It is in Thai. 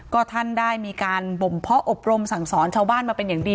ก็ท่านได้มีการบ่มเพาะอบรมสั่งสอนชาวบ้านมาเป็นอย่างดี